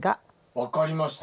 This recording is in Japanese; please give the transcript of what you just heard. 分かりました。